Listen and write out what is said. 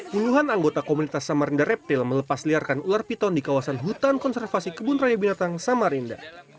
puluhan anggota komunitas samarinda reptil melepas liarkan ular piton di kawasan hutan konservasi kebun raya binatang samarinda